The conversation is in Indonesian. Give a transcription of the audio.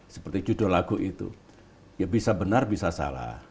seperti judul lagu itu ya bisa benar bisa salah